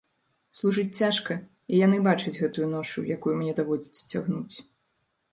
Служыць цяжка, і яны бачаць гэтую ношу, якую мне даводзіцца цягнуць.